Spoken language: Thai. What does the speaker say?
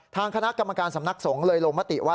ทางคณะกรรมการสำนักสงฆ์เลยลงมติว่า